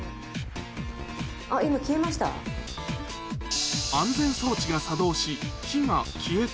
あっ、今消えました？